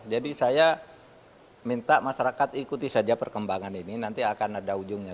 jadi saya minta masyarakat ikuti saja perkembangan ini nanti akan ada ujungnya